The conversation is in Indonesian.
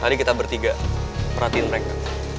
mari kita bertiga perhatiin mereka